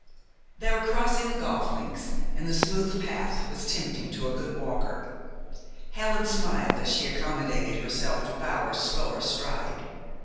They were crossing the golf links, and the smooth path was tempting to a good walker. Helen smiled as she accommodated herself to Bower's slower stride.